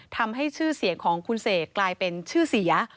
ทำให้ชื่อเสียงของคุณเสกกลายเป็นชื่อเสีย